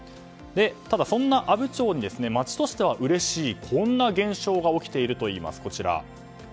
ただ、そんな阿武町に町としてはうれしいこんな現象が起きているといいます。